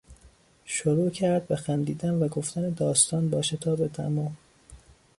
شروع کرد به خندیدن و گفتن داستان با شتاب تمام